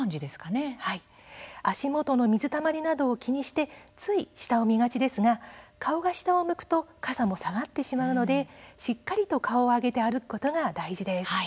足元の水たまりなどを気にしてつい下を見がちですが顔が下を向くと傘も下がってしまうので、しっかりと顔を上げて歩くことが大事です。